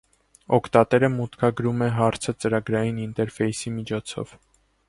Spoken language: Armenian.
Օգտատերը մուտքագրում է հարցը ՝ ծրագրային ինտերֆեյսի միջոցով։